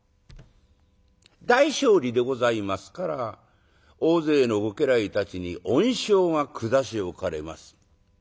大勝利でございますから大勢のご家来たちに恩賞が下しおかれます。